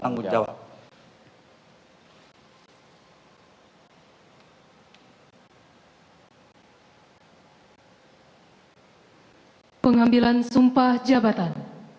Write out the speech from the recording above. ambilan sumpah jabatan